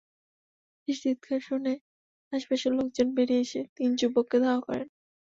সেই চিৎকার শুনে আশপাশের লোকজন বেরিয়ে এসে তিন যুবককে ধাওয়া করেন।